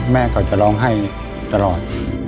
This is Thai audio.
แม่ก็จะร้องไห้ตลอด